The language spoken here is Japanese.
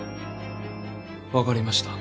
分かりました